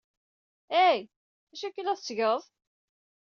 Hey! D acu akka ay la tettged?